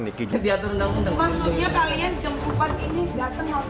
maksudnya kalian jemputan ini datang apa